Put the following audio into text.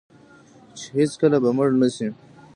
چې هیڅکله به مړ نشي.